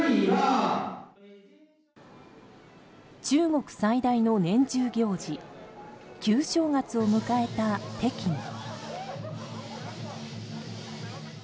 中国最大の年中行事旧正月を迎えた北京。